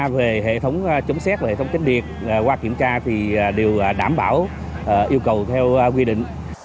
về hệ thống chống xét và hệ thống kinh điện